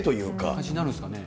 感じになるんですかね。